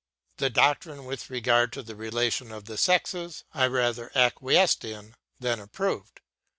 The doctrine with regard to the relation of the sexes I rather acquiesced in than approved.